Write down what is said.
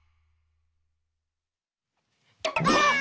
ばあっ！